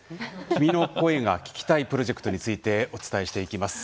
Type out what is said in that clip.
「君の声が聴きたい」プロジェクトについてお伝えします。